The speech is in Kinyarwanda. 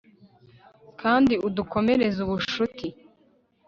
kandi udukomereze ubucuti